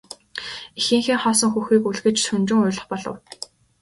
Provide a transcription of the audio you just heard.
Эхийнхээ хоосон хөхийг үлгэж шөнөжин уйлах болов.